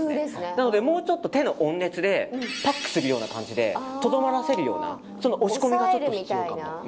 なのでもうちょっと、手の温熱でパックするような感じでとどまらせるような押し込みが必要かも。